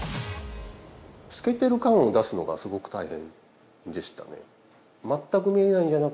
透けてる感を出すのがすごく大変でしたね。